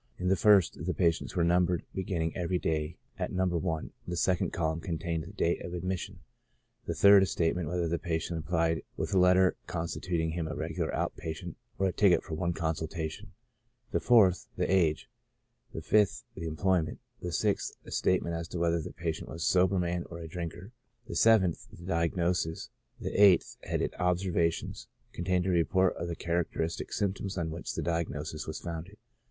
In the first, the patients were numbered, beginning every day at No. I ; the second column contained the date of admission j the third, a statement whether the patient applied with a letter constituting him a regular out patient, or a ticket for one consultation : the fourth, the age ; the fifth, the employment ; the sixth, a statement as to whether the patient was a sober man or a drinker; the seventh, the diagnosis; the eighth, headed Observations^ contained a re port of the characteristic symptoms on which the diagnosis was founded.